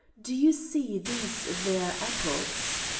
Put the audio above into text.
Do you see these three apples?"